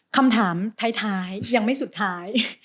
คำถามท้ายยังไม่สุดท้าย